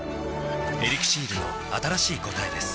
「エリクシール」の新しい答えです